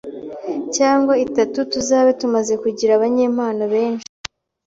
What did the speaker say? cyangwa itatu tuzabe tumaze kugira abanyempano benshi